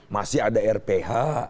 masih ada rph